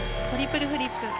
トリプルフリップ。